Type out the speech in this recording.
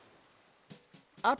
あと。